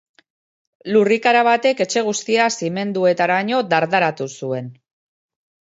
Lurrikara batek etxe guztia zimenduetaraino dardaratu zuen.